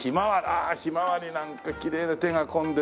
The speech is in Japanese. あひまわりなんかきれいで手が込んでる。